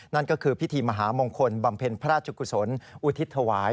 นั่นก็คือพิธีมหามงคลบำเพ็ญพระราชกุศลอุทิศถวาย